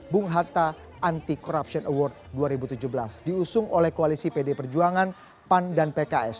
bung hatta anti corruption award dua ribu tujuh belas diusung oleh koalisi pd perjuangan pan dan pks